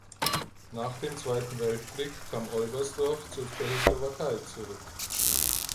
Nach dem Zweiten Weltkrieg kam Olbersdorf zur Tschechoslowakei zurück.